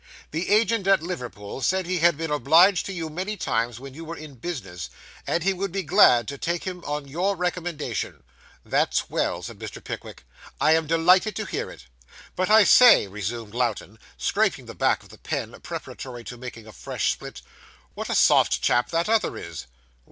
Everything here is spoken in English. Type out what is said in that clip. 'The agent at Liverpool said he had been obliged to you many times when you were in business, and he would be glad to take him on your recommendation.' 'That's well,' said Mr. Pickwick. 'I am delighted to hear it.' 'But I say,' resumed Lowten, scraping the back of the pen preparatory to making a fresh split, 'what a soft chap that other is!